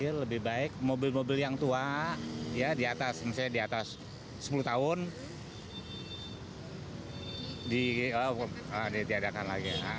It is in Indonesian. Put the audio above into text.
ya lebih baik mobil mobil yang tua ya di atas misalnya di atas sepuluh tahun ditiadakan lagi